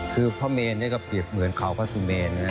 คือพระเมนนี่ก็เปรียบเหมือนเขาพระสุเมน